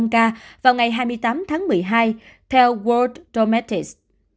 chín một trăm linh ca vào ngày hai mươi tám tháng một mươi hai theo world dometics